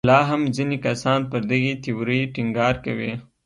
خو لا هم ځینې کسان پر دغې تیورۍ ټینګار کوي.